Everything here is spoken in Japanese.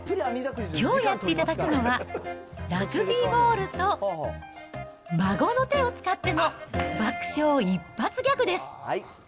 きょうやっていただくのは、ラグビーボールと孫の手を使っての爆笑一発ギャグです。